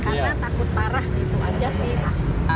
karena takut parah gitu aja sih